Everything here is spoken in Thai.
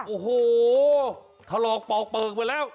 โอ้โหถลอกปอกเปลือกไปแล้ว